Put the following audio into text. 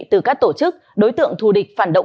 từ các tổ chức đối tượng thù địch phản động